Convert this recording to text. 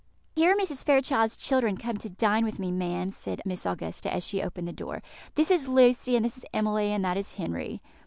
"Here are Mrs. Fairchild's children come to dine with me, ma'am," said Miss Augusta, as she opened the door; "this is Lucy, and this is Emily, and that is Henry."